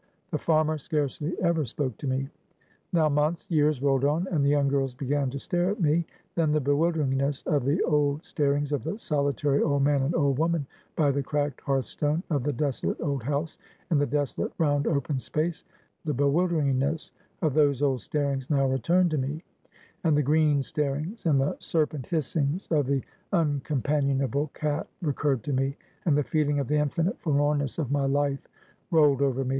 The farmer scarcely ever spoke to me. Now months, years rolled on, and the young girls began to stare at me. Then the bewilderingness of the old starings of the solitary old man and old woman, by the cracked hearth stone of the desolate old house, in the desolate, round, open space; the bewilderingness of those old starings now returned to me; and the green starings, and the serpent hissings of the uncompanionable cat, recurred to me, and the feeling of the infinite forlornness of my life rolled over me.